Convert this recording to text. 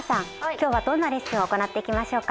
今日はどんなレッスンを行っていきましょうか？